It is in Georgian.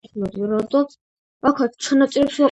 ფეხები მოვიტეხე